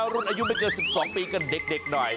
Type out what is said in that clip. รุ่นอายุไม่เกิน๑๒ปีกับเด็กหน่อย